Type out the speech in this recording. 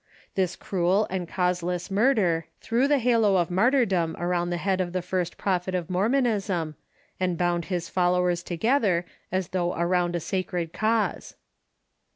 This cruel and causeless murder threw the halo of mart3'rdom around the head of the first prophet of Mormonism, and bound his fol lowers together as though around a sacred cause.